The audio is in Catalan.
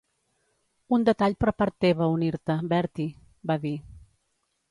"Un detall per part teva unir-te, Bertie", va dir.